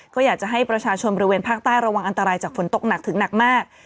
ก็อยากจะให้ประชาชนบริเวณภาคใต้ระวังอันตรายจากฝนตกหนักถึงหนักมาก